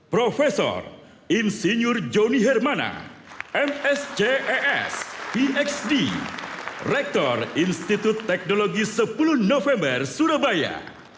profesor insinyur joni hermana msc es pxd rektor institut teknologi sepuluh november surabaya